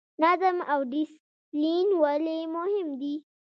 نظم او ډیسپلین ولې مهم دي؟